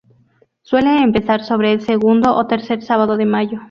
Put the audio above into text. Suele empezar sobre el segundo ó tercer sábado de mayo.